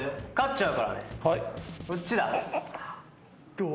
・どう？